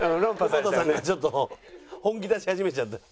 久保田さんがちょっと本気出し始めちゃった。